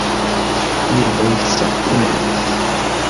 Yuba yesseɣti iman-is.